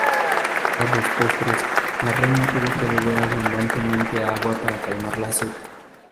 Tras los postres, la reina tuvo que beber abundante agua para calmar la sed.